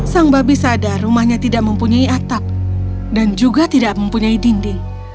sang babi sadar rumahnya tidak mempunyai atap dan juga tidak mempunyai dinding